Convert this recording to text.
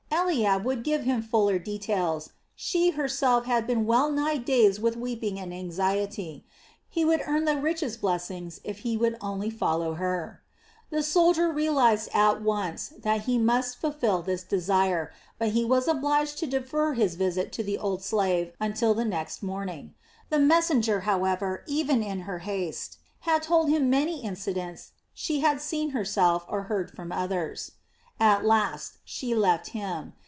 Eliab would give him fuller details; she herself had been well nigh dazed with weeping and anxiety. He would earn the richest blessings if he would only follow her. The soldier realized at once that he must fulfil this desire, but he was obliged to defer his visit to the old slave until the nest morning. The messenger, however, even in her haste, had told him many incidents she had seen herself or heard from others. At last she left him.